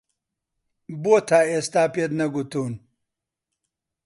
بۆ تا ئێستا پێت نەگوتوون؟